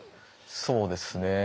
そうですね。